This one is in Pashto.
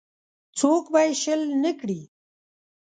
څوک به یې شل نه کړي.